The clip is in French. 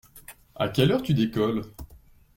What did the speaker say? A quelle heure tu décolles?